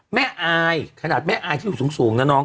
อายขนาดแม่อายที่อยู่สูงนะน้อง